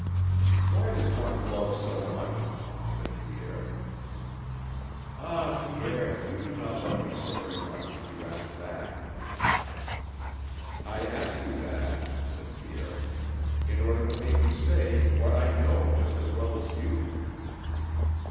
"Why does one love so much?" said Pierre. "Ah, Pierre, you do not love me so very much if you ask that." "I ask you that," said Pierre, "in order to make you say what I know just as well as you."